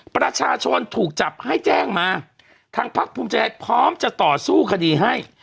ประชาชนถูกจับให้แจ้งมาทางพักภูมิใจพร้อมจะต่อสู้คดีให้